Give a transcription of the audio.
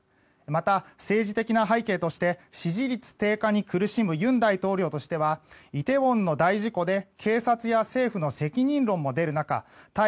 また政治的な背景として支持率低下に苦しむ尹大統領としてはイテウォンの大事故で警察や政府の責任論も出る中対